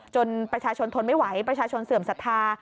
ประชาชนทนไม่ไหวประชาชนเสื่อมศรัทธา